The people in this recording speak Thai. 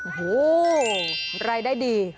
โอ้โหรายได้ดี